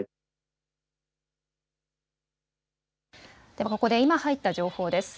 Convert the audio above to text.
ではここで今、入った情報です。